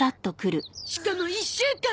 しかも１週間！